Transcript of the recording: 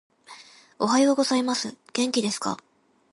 おはようございます。元気ですか？